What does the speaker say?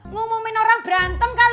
ngumumin orang berantem kali mak